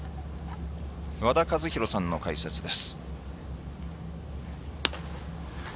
和田一浩さんの解説です。